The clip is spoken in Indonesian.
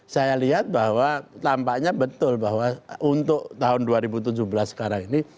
saya lihat bahwa tampaknya betul bahwa untuk tahun dua ribu tujuh belas sekarang ini